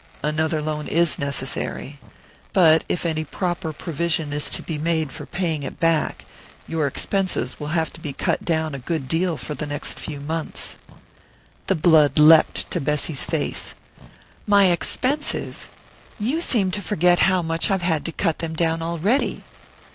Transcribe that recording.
"Another loan is necessary; but if any proper provision is to be made for paying it back, your expenses will have to be cut down a good deal for the next few months." The blood leapt to Bessy's face. "My expenses? You seem to forget how much I've had to cut them down already."